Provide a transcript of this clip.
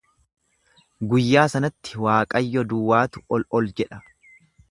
Guyyaa sanatti Waaqayyo duwwaatu ol ol jedha.